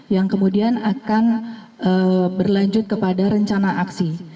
yang kemudian akan berlanjut kepada rencana aksi